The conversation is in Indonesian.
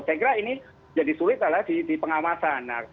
saya kira ini jadi sulit adalah di pengawasan